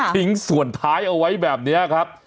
ทิ้งส่วนท้ายเอาไว้แบบนี้ครับ